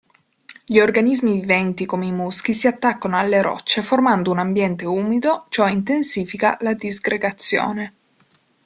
Gli organismi viventi come i muschi si attaccano alle rocce formando un ambiente umido ciò intensifica la disgregazione.